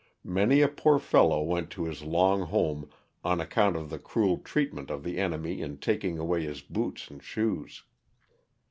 Many a poor fellow went to his long home on account of the cruel treatment of the enemy in taking away his boots and shoes.